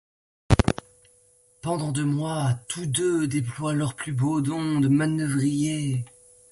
Pendant deux mois, tous deux déploient leurs plus beaux dons de manœuvriers.